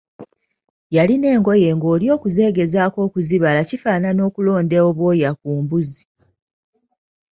Yalina engoye ng'oli okugezaako okuzibala kifaananako okulonda obwoya ku mbuuzi.